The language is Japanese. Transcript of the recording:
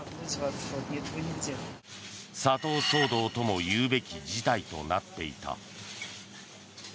砂糖騒動とも言うべき事態となっていた。